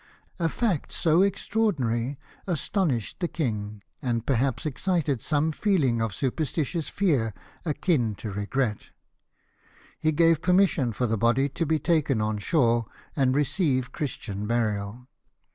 A fact so extraordinary astonished the king, and perhaps excited some feelings of superstitious fear akin to regret. He gave permission for the body to be taken on shore and receive Christian burial.